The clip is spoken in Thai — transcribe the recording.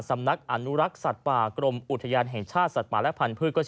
สำนักอนุรักษ์สัตว์ป่ากรมอุทยานแห่งชาติสัตว์ป่าและพันธุ์